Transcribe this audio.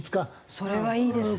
それはいいですね。